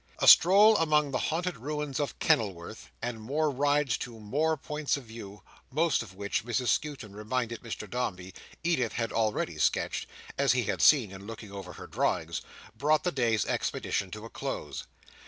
A stroll among the haunted ruins of Kenilworth, and more rides to more points of view: most of which, Mrs Skewton reminded Mr Dombey, Edith had already sketched, as he had seen in looking over her drawings: brought the day's expedition to a close.